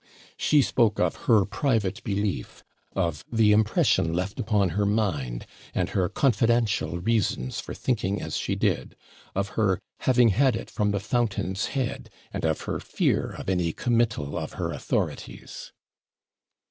She spoke of HER PRIVATE BELIEF; of THE IMPRESSION LEFT UPON HER MIND; and her CONFIDANTIAL reasons for thinking as she did; of her 'having had it from the FOUNTAIN'S head;' and of 'her fear of any COMMITTAL of her authorities.'